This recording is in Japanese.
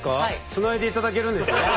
つないでいただけるんですね？